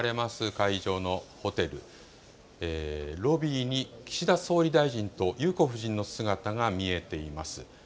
会場のホテル、ロビーに岸田総理大臣と裕子夫人の姿が見えています。